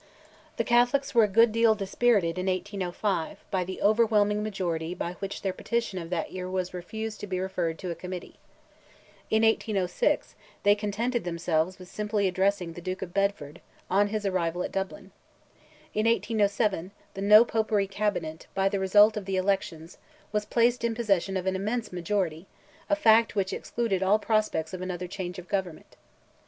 The Catholics were a good deal dispirited in 1805, by the overwhelming majority by which their petition of that year was refused to be referred to a committee. In 1806, they contented themselves with simply addressing the Duke of Bedford, on his arrival at Dublin. In 1807, the "No Popery Cabinet," by the result of the elections, was placed in possession of an immense majority—a fact which excluded all prospects of another change of government.